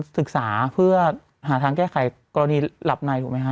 ศึกษาเพื่อหาทางแก้ไขกรณีหลับในถูกไหมฮะ